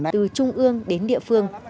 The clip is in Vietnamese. từ trung ương đến địa phương